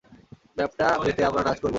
ম্যাপটা পেতে আমরা নাচ করব।